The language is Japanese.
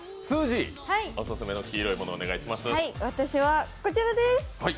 私は、こちらです。